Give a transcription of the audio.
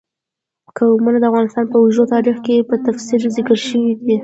قومونه د افغانستان په اوږده تاریخ کې په تفصیل ذکر شوی دی.